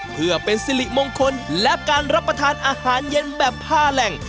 เพื่อเป็นสิริมงคลและการรับประทานอาหารเย็นแบบ๕แหล่ง